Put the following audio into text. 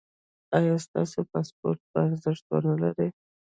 ایا ستاسو پاسپورت به ارزښت و نه لري؟